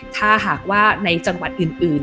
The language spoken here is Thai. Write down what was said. ถ้าหากว่าในจังหวัดอื่น